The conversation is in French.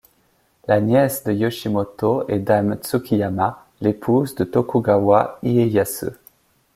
La nièce de Yoshimoto est dame Tsukiyama, l'épouse de Tokugawa Ieyasu.